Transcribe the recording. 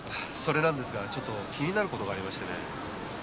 それなんですがちょっと気になる事がありましてね。